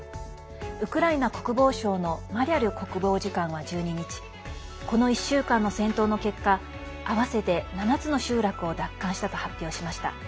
ウクライナ国防省のマリャル国防次官は１２日、この１週間の戦闘の結果合わせて７つの集落を奪還したと発表しました。